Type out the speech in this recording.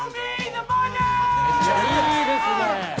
「いいですね」